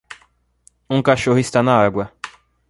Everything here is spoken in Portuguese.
Um cachorro está na água.